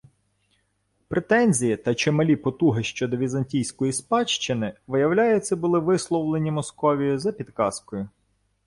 Претензії та чималі потуги щодо візантійської спадщини, виявляється, були висловлені Московією за підказкою